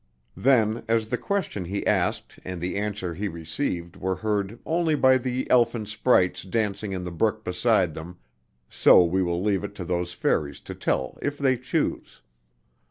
Then, as the question he asked and the answer he received were heard only by the elfin sprites dancing in the brook beside them, so we will leave it to those fairies to tell if they choose.